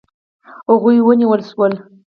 هغوی ونیول شول.